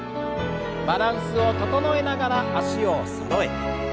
バランスを整えながら脚をそろえて。